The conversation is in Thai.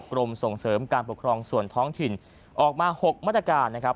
กรมส่งเสริมการปกครองส่วนท้องถิ่นออกมา๖มาตรการนะครับ